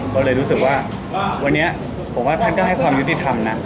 ก็เลยรู้สึกว่าวันนี้ผมว่าท่านก็ให้ความยุติธรรมนะ